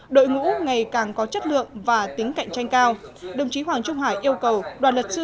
đội ngũ ngày càng có chất lượng và tính cạnh tranh cao đồng chí hoàng trung hải yêu cầu đoàn luật sư